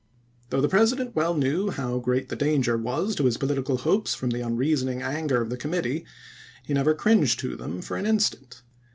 Though the President well knew how great the danger was to his political hopes from the un reasoning anger of the committee, he never cringed to them for an instant.